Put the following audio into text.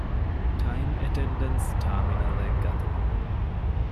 ޓައިމް އެޓެންޑެންސް ޓާރމިނަލެއް ގަތުމަށް